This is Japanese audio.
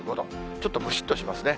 ちょっとむしっとしますね。